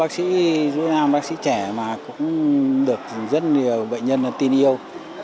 bác sĩ giữa nam bác sĩ trẻ mà cũng được rất nhiều bệnh nhân tin yêu